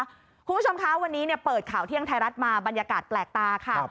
คุณผู้ชมคะวันนี้เปิดข่าวเที่ยงไทยรัฐมาบรรยากาศแปลกตาค่ะ